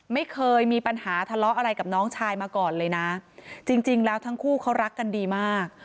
ไม่เคยมีปัญหาทะเลาะอะไรกับน้องชายมาก่อนเลยนะจริงจริงแล้วทั้งคู่เขารักกันดีมาก